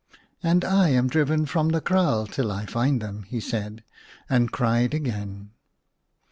" And I am driven from the kraal till I find them," he said, and cried again.